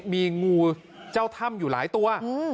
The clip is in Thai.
มีงูเจ้าถ้ำอยู่หลายตัว